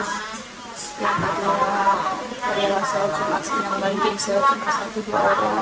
saya cuma satu dua orang yang sudah ada